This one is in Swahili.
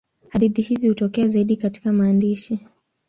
Hadithi hizi hutokea zaidi katika maandishi.